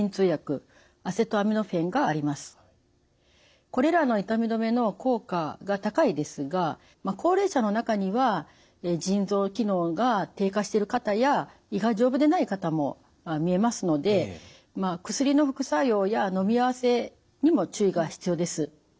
主にはこれらの痛み止めの効果が高いですが高齢者の中には腎臓機能が低下してる方や胃が丈夫でない方もみえますので薬の副作用やのみ合わせにも注意が必要です。